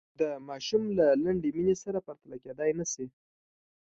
د ماشوم له لنډې مینې سره پرتله کېدلای نه شي.